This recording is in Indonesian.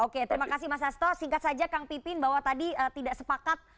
oke terima kasih mas asto singkat saja kang pipin bahwa tadi tidak sepakat